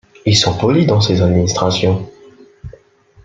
Ils sont polis dans ces administrations !